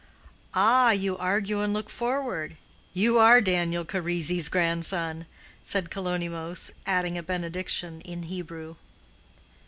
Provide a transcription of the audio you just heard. "Ah, you argue and you look forward—you are Daniel Charisi's grandson," said Kalonymos, adding a benediction in Hebrew.